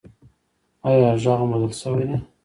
ایا غږ مو بدل شوی دی؟